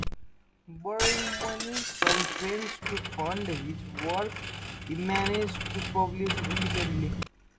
Borrowing money from friends to fund his work he managed to publish independently.